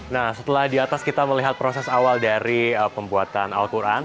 nah setelah di atas kita melihat proses awal dari pembuatan al quran